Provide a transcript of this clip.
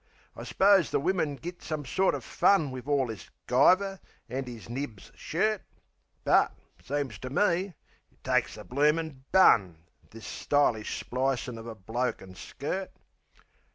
I s'pose the wimmin git some sorter fun Wiv all this guyver, an' 'is nibs's shirt. But, seems to me, it takes the bloomin' bun, This stylish splicin' uv a bloke an' skirt.